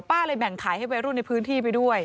เลยแบ่งขายให้วัยรุ่นในพื้นที่ไปด้วย